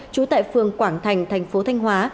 chú tại phường quảng thành thành phố thanh hóa